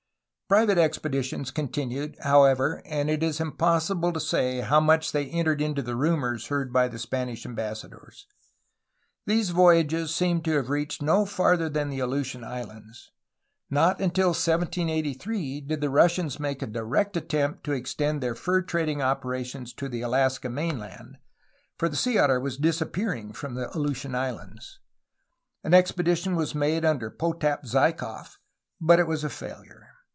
Private expeditions continued, however, and it is impossible to say how much they entered into the rumors heard by the Spanish ambassadors. These voyages seem to have reached no farther than the Aleutian Islands. Not until 1783 did the Russians make a direct attempt to extend their fur trading operations to the Alaska mainland, for the sea otter was disappearing from the Aleutian Islands. An expedition was made under Potap Zaikof, but it was a failure.